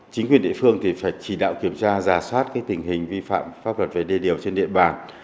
chính quyền địa phương phải chỉ đạo kiểm tra giả soát tình hình vi phạm pháp luật về đê điều trên địa bàn